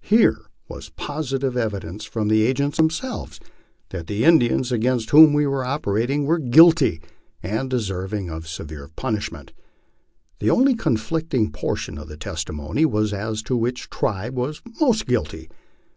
Here was positive evidence from the agents themselves that the Indians against whom we were operating were guilty, and deserving of severe pun ishment. The only conflicting portion of the testimony was as to which tribe was most guilty.